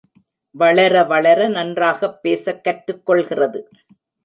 வளர வளர நன்றாகப் பேசக் கற்றுக் கொள்கிறது.